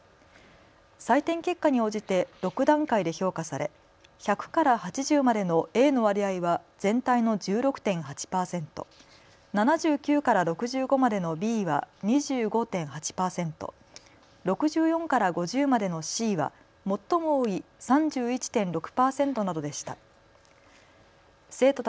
採点結果に応じて６段階で評価され、１００から８０までのＡの割合は全体の１６．８％、７９から６５までのＢは２５．８％、６４から５０までのＣは最も多い３１．６％などでした。